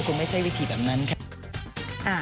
คงไม่ใช่วิธีแบบนั้นค่ะ